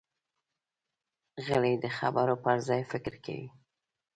غلی، د خبرو پر ځای فکر کوي.